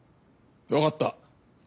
わかった。